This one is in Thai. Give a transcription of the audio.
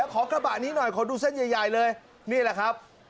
ขอกระบะนี้หน่อยขอดูเส้นใหญ่เลยนี่แหละครับ